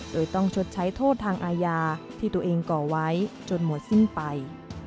โดยต้องชดใช้โทษทางอาญาที่ตัวเองก่อไว้จนหมดสิ้นไป